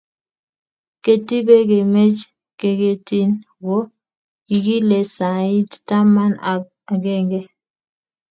ketibe kemeche keketin ko kikile sait taman ak agenge